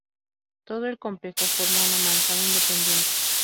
Todo el complejo forma una manzana independiente.